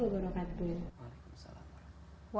wassalamualaikum warahmatullahi wabarakatuh